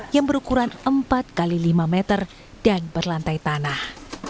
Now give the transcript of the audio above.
yang berukuran empat x lima meter dan berlantai tanah